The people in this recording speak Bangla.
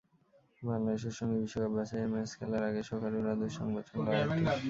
বাংলাদেশের সঙ্গে বিশ্বকাপ বাছাইয়ের ম্যাচ খেলার আগে সকারুরা দুঃসংবাদ শুনল আরেকটি।